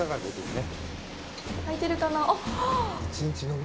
開いてるかな？